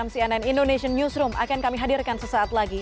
cnn indonesian newsroom akan kami hadirkan sesaat lagi